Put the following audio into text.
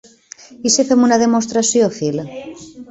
I si fem una demostració, Phil?